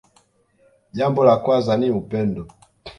Jambo la kwanza ni upendo